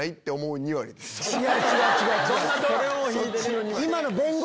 違う違う！